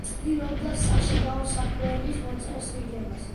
ცდილობდა საშინაო საქმეების მოწესრიგებას.